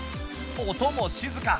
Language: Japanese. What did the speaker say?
音も静か。